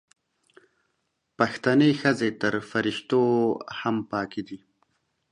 پښتنې ښځې تر فریښتو هم پاکې دي